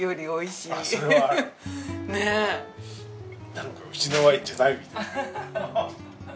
なんかうちのワインじゃないみたい。